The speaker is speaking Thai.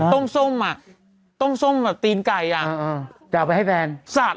จะเอาไปให้แฟน